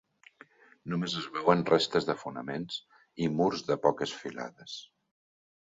Només es veuen restes de fonaments i murs de poques filades.